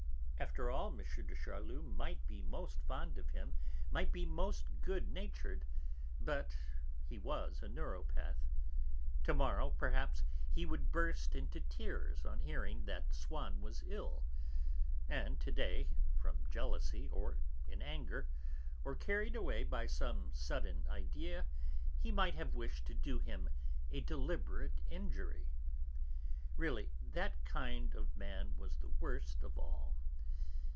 After all, M. de Charlus might be most fond of him, might be most good natured; but he was a neuropath; to morrow, perhaps, he would burst into tears on hearing that Swann was ill; and to day, from jealousy, or in anger, or carried away by some sudden idea, he might have wished to do him a deliberate injury. Really, that kind of man was the worst of all.